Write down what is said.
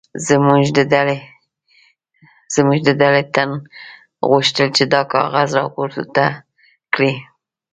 زموږ د ډلې کوم تن غوښتل چې دا کاغذ راپورته کړي.